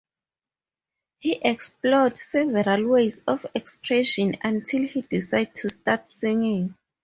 He explored several ways of expression until he decided to start singing.